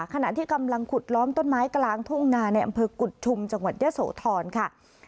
ขณะที่กำลังขุดล้อมต้นไม้กลางทุ่งนาในอำเภอกุฎชุมจังหวัดเยอะโสธรค่ะ